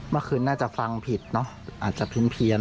เมื่อคืนน่าจะฟังผิดเนอะอาจจะเพี้ยน